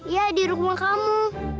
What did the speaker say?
ya di rumah kamu